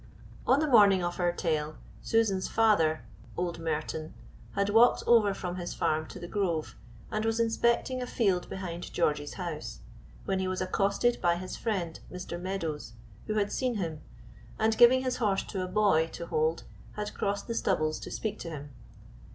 On the morning of our tale Susan's father, old Merton, had walked over from his farm to "The Grove," and was inspecting a field behind George's house, when he was accosted by his friend, Mr. Meadows, who had seen him, and giving his horse to a boy to hold had crossed the stubbles to speak to him.